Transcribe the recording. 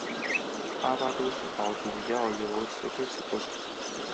巴巴多斯岛主要由石灰石构成。